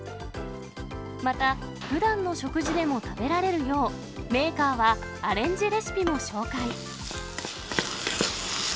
また、ふだんの食事でも食べられるよう、メーカーはアレンジレシピも紹介。